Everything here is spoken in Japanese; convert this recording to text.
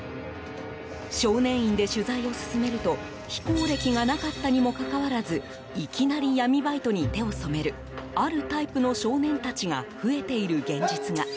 少年院で取材を進めると非行歴がなかったにもかかわらずいきなり闇バイトに手を染めるあるタイプの少年たちが増えている現実が。